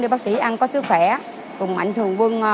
để bác sĩ ăn có sức khỏe cùng mạnh thường quân ủng hộ